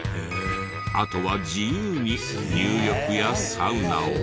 あとは自由に入浴やサウナを。